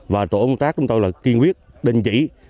và tổ công tác chúng tôi là kiên quyết đình chỉ